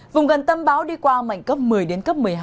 vùng gần tâm bão đi qua mạnh cấp một mươi đến cấp một mươi hai